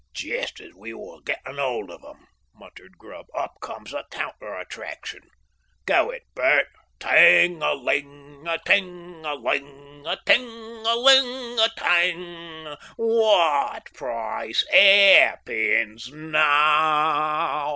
"Jest as we're gettin' hold of 'em," muttered Grubb, "up comes a counter attraction. Go it, Bert!" "Ting a ling a ting a ling a ting a ling a tang What Price Hair pins Now?"